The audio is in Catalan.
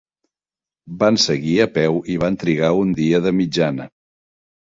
Van seguir a peu, i van trigar un dia de mitjana.